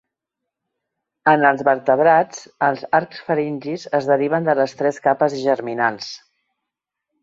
En els vertebrats, els arcs faringis es deriven de les tres capes germinals.